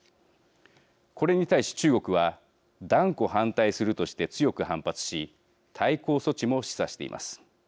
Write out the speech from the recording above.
これに対し中国は断固反対するとして強く反発し対抗措置も示唆しています。